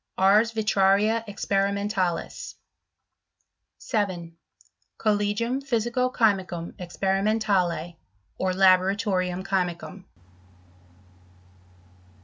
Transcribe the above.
Ars Vitraria experimentalis. 7. Collegium Phvsico chymicum experimentale, or Laboratorium chymicum.